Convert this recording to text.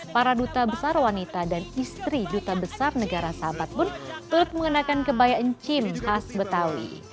para duta besar wanita dan istri duta besar negara sahabat pun turut mengenakan kebaya encim khas betawi